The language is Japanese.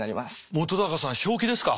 本さん正気ですか？